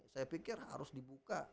saya pikir harus dibuka